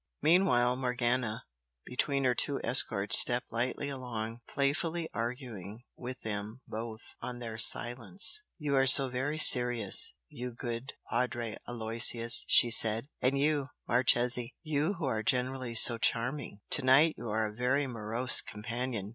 Meanwhile, Morgana, between her two escorts stepped lightly along, playfully arguing with them both on their silence. "You are so very serious, you good Padre Aloysius!" she said "And you, Marchese you who are generally so charming! to night you are a very morose companion!